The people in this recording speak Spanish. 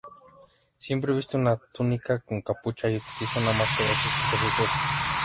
Siempre viste una túnica con capucha y utiliza una máscara que oculta sus ojos.